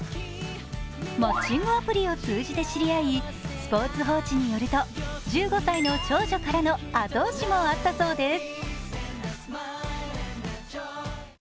マッチングアプリを通じて知り合い、スポーツ報知によると、１５歳の長女からの後押しもあったそうです。